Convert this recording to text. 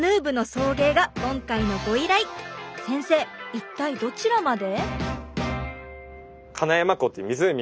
一体どちらまで？